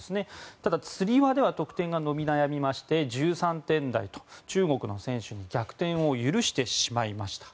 ただ、つり輪では得点が伸び悩みまして１３点台と中国の選手に逆転を許してしまいました。